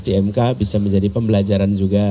di mk bisa menjadi pembelajaran juga